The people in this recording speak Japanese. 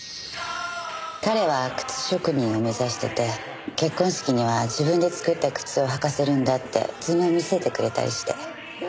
彼は靴職人を目指してて結婚式には自分で作った靴を履かせるんだって図面見せてくれたりして。